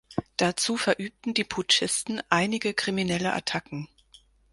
Dazu verübten die Putschisten einige kriminelle Attacken.